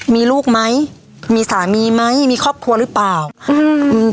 มีลูกไหมมีสามีไหมมีครอบครัวหรือเปล่าอืม